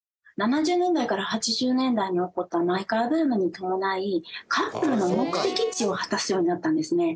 ７０年代から８０年代に起こったマイカーブームに伴いカップルの目的地を果たすようになったんですね。